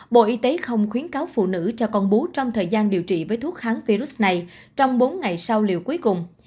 bộ y tế không khuyến cáo phụ nữ cho con bú trong thời gian điều trị với thuốc kháng virus này trong bốn ngày sau liều cuối cùng